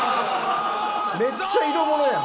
めっちゃ色物やん。